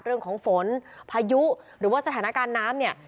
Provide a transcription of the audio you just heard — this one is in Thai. เรื่องของฝนพายุหรือว่าสถานการณ์น้ำเนี่ย